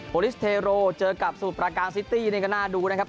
โพลิสเทโรเจอกับสุภัณฑ์การซิตี้ในกระหน้าดูนะครับ